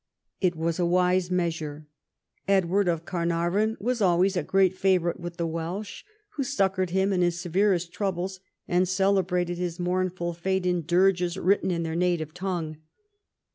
It was a wise measure. Edward of Carnarvon was always a great favourite with the Welsh, Avho succoured him in his severest troubles, and celebrated his mournful fate in dirges written in their native tongue.